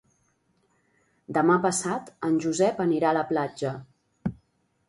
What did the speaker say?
Demà passat en Josep anirà a la platja.